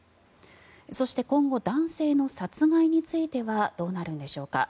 そして今後男性の殺害についてはどうなるんでしょうか。